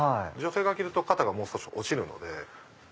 女性が着ると肩がもう少し落ちるので。